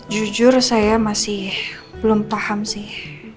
jujur saya masih belum paham sih